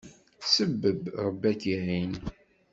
Sebbeb, Rebbi ad k-iεin.